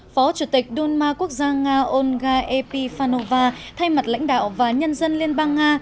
phó chủ tịch đunma quốc gia nga olga epifanova thay mặt lãnh đạo và nhân dân liên bang nga